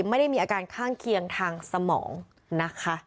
ไม่ได้มีอาการข้างเคียงทางสมองนะคะ